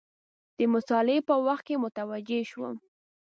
د مطالعې په وخت کې متوجه شوم.